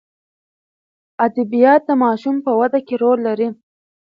ادبیات د ماشوم په وده کې رول لري.